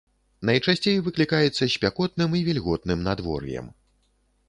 Найчасцей выклікаецца спякотным і вільготным надвор'ем.